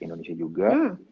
di indonesia juga